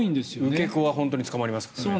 受け子は本当に捕まりますから。